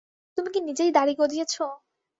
তুমি কি নিজেই দাড়ি গজিয়েছো?